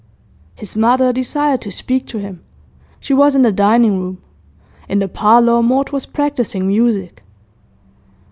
His mother desired to speak to him. She was in the dining room; in the parlour Maud was practising music.